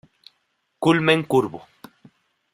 Culmen curvo.